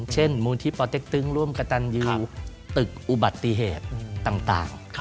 มูลที่ปเต็กตึงร่วมกระตันยูตึกอุบัติเหตุต่าง